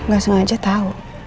gak sengaja tahu